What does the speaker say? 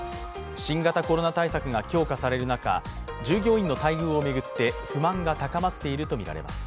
新型コロナ対策が強化される中従業員の待遇を巡って不満が高まっているとみられます。